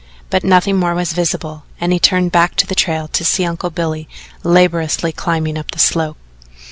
But nothing more was visible, and he turned back to the trail to see Uncle Billy laboriously climbing up the slope.